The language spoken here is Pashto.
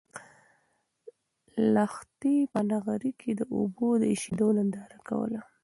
لښتې په نغري کې د اوبو د اېشېدو ننداره کوله.